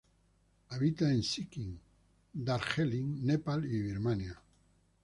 Habita en Sikkim, Darjeeling, Nepal y Birmania.